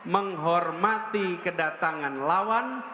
menghormati kedatangan lawan